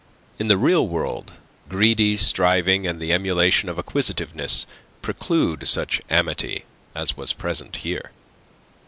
In the real world, greedy striving and the emulation of acquisitiveness preclude such amity as was present here.